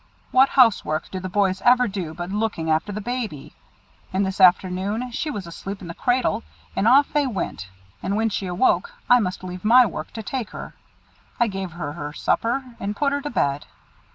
What housework do the boys ever do but looking after the baby? And this afternoon she was asleep in the cradle, and off they went, and when she awoke, I must leave my work to take her. I gave her her supper, and put her to bed.